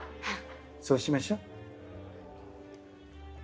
そうしましょ。